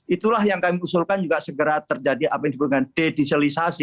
itulah yang kami usulkan juga segera terjadi apa yang disebutkan dedieselisasi